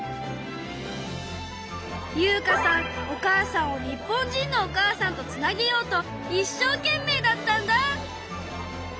優華さんお母さんを日本人のお母さんとつなげようといっしょうけんめいだったんだ。